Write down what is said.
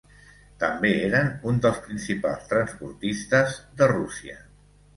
També eren un dels principals transportistes de Rússia.